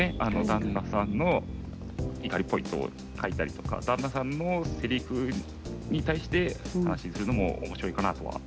旦那さんの怒りポイントを書いたりとか旦那さんのせりふに対して話にするのも面白いかなとは思っています。